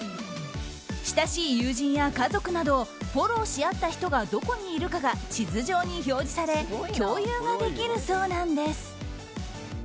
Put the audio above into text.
親しい友人や家族などフォローし合った人がどこにいるかが地図上に表示され共有ができるそうなんです。